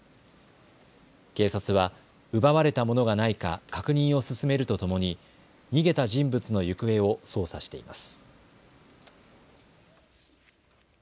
警察は奪われたものがないか確認を進めるとともに逃げた人物の行方を捜査しています。